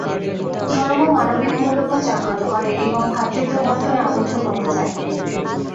ধর্ম মানবিক মূল্যবোধ জাগ্রত করে এবং ভ্রাতৃত্ব বন্ধনে আবদ্ধ করতে চায়।